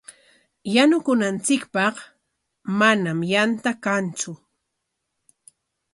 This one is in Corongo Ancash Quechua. Yanukunanchikpaq manami yanta kantsu.